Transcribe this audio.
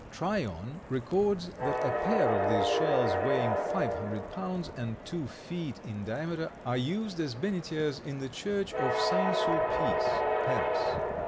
Tryon records that a pair of these shells, weighing five hundred pounds, and two feet in diameter, are used as benetiers in the church of St. Sulpice, Paris.